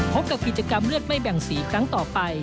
พบกับกิจกรรมเลือดไม่แบ่งสีครั้งต่อไป